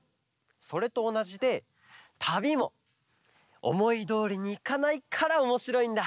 それとおなじでたびもおもいどおりにいかないからおもしろいんだ！